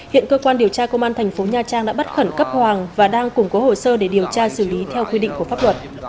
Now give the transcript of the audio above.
hiện cơ quan điều tra công an thành phố nha trang đã bắt khẩn cấp hoàng và đang củng cố hồ sơ để điều tra xử lý theo quy định của pháp luật